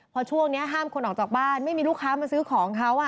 พอช่วงนี้ห้ามคนออกจากบ้านไม่มีลูกค้ามาซื้อของเขา